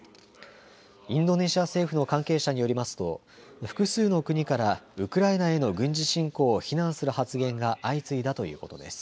インドネシア政府の関係者によりますと複数の国からウクライナへの軍事侵攻を非難する発言が相次いだということです。